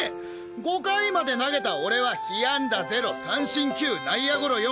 ５回まで投げた俺は被安打０三振９内野ゴロ４